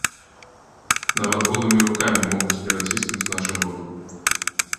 Нават голымі рукамі могуць пераціснуць наша горла.